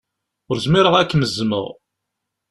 Ur zmireɣ ad kem-zzmeɣ.